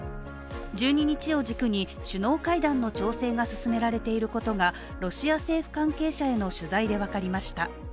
１２日を軸に首脳会談の調整が進められていることがロシア政府関係者への取材で分かりました。